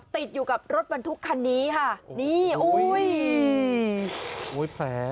ติดอยู่กับรถบรรทุกคันนี้ค่ะ